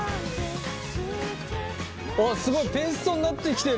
あっすごいペーストになってきてる。